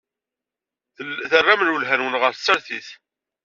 Terram lwelha-nwen ɣer tsertit.